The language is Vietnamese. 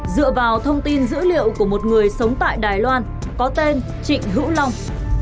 dựa vào thông tin dữ liệu của một người sống tại đài loan có tên trịnh hữu long